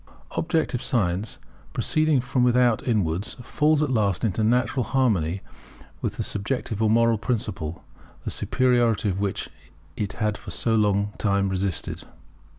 Objective science, proceeding from without inwards, falls at last into natural harmony with the subjective or moral principle, the superiority of which it had for so long a time resisted.